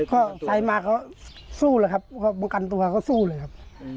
ก็ใส่มาเขาสู้เลยครับเมืองกันตัวเขาก็สู้เลยครับ